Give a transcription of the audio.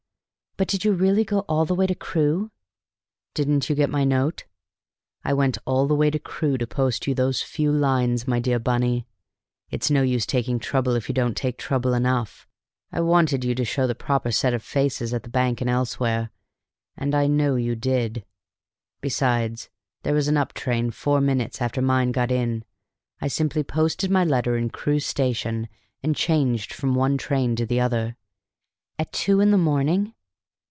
"But did you really go all the way to Crewe?" "Didn't you get my note? I went all the way to Crewe to post you those few lines, my dear Bunny! It's no use taking trouble if you don't take trouble enough; I wanted you to show the proper set of faces at the bank and elsewhere, and I know you did. Besides, there was an up train four minutes after mine got in. I simply posted my letter in Crewe station, and changed from one train to the other." "At two in the morning!"